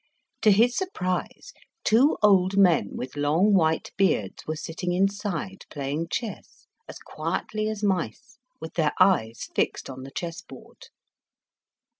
To his surprise, two old men, with long, white beards, were sitting inside playing chess, as quietly as mice, with their eyes fixed on the chessboard.